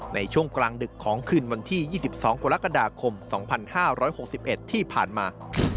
ในช่วงกลางดึกของคืนวันที่๒๒กรกฎาคม๒๕๖๑ที่ผ่านมา